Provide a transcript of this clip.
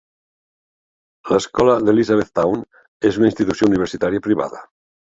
L'escola d'Elizabethtown és una institució universitària privada.